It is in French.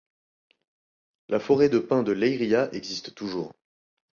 La forêt de pins de Leiria existe toujours.